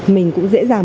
mình cũng dễ dàng